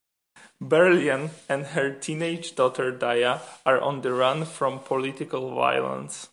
Berlian and her teenage daughter Daya are on the run from political violence.